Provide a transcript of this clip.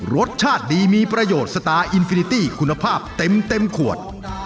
รสชาติดีมีประโยชน์สตาร์อินฟินิตี้คุณภาพเต็มขวด